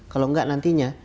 kalau enggak nantinya